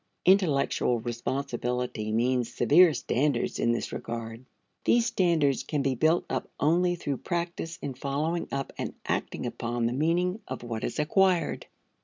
Intellectual responsibility means severe standards in this regard. These standards can be built up only through practice in following up and acting upon the meaning of what is acquired.